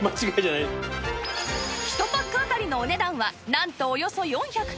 １パックあたりのお値段はなんとおよそ４９８円